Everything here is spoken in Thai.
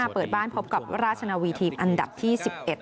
เปิดบ้านพบกับราชนาวีทีมอันดับที่๑๑